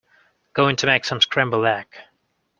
Going to make some scrambled egg.